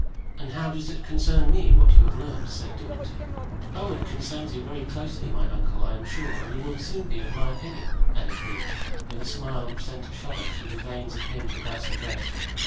"And how does it concern me what you have learned?" said De Winter. "Oh, it concerns you very closely, my uncle, I am sure, and you will soon be of my opinion," added he, with a smile which sent a shudder through the veins of him he thus addressed.